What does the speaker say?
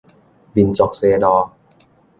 民族西路